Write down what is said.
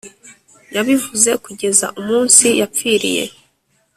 yabivuze kugeza umunsi yapfiriye